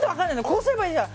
こうすればいいじゃん！